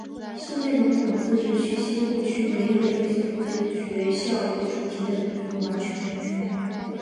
是内蒙古自治区西部区唯一的一所以回族学生为主体的民族完全中学。